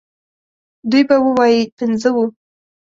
دوی به ووايي پنځه وو.